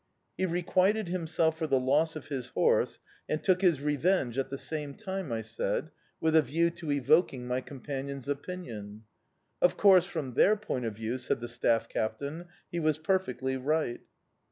"He requited himself for the loss of his horse, and took his revenge at the same time," I said, with a view to evoking my companion's opinion. "Of course, from their point of view," said the staff captain, "he was perfectly right."